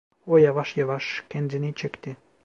O yavaş yavaş kendini çekti.